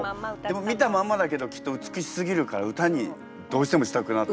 見たまんまだけどきっと美しすぎるから詩にどうしてもしたくなった。